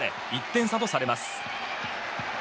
１点差とされます。